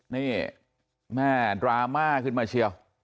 นี่แม่ดราม่าขึ้นมาเชียว